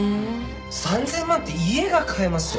３０００万って家が買えますよ。